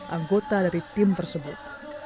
anggota dari tim tersebut